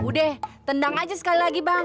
udah tenang aja sekali lagi bang